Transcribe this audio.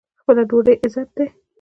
خپله ډوډۍ عزت دی.